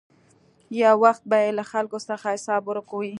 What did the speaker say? یو وخت به یې له خلکو څخه حساب ورک وي.